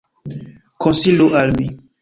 Konsilu al mi.